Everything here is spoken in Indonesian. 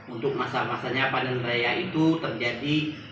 untuk masa masanya panen raya itu terjadi